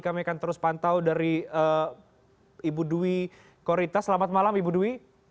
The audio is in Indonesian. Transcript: kami akan terus pantau dari ibu dwi korita selamat malam ibu dwi